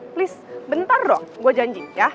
please bentar dong gue janji ya